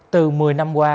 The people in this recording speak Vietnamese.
từ một mươi năm qua